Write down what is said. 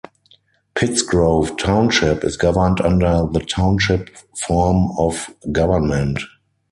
Pittsgrove Township is governed under the Township form of government.